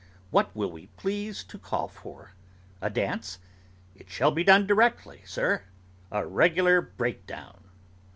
What will we please to call for? A dance? It shall be done directly, sir: 'a regular break down.